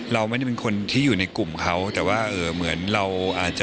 เราไม่ได้เป็นคนที่อยู่ในกลุ่มเขาแต่ว่าเหมือนเราอาจจะ